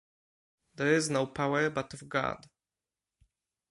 There is no power but of God.